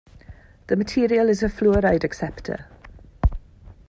The material is a fluoride acceptor.